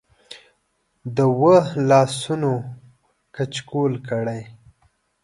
د وه لاسونه کچکول کړی